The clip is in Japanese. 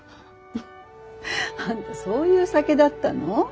フッあんたそういう酒だったの？